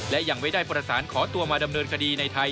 และยังไม่ได้ประสานขอตัวมาดำเนินคดีในไทย